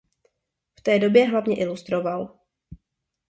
V té době hlavně ilustroval.